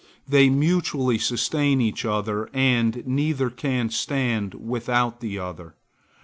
They mutually sustain each other; and neither can stand without the other.